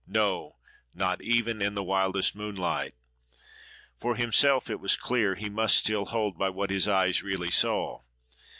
—No! not even in the wildest moonlight. For himself, it was clear, he must still hold by what his eyes really saw.